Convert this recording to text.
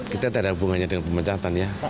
kita tidak ada hubungannya dengan pemecatan ya